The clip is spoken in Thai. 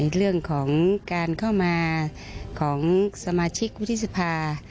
เรื่องของการเข้ามาของสมาชิกวุฒิสภา